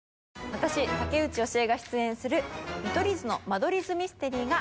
私竹内由恵が出演する見取り図の間取り図ミステリー」が△